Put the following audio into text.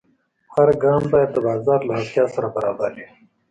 هر ګام باید د بازار له اړتیا سره برابر وي.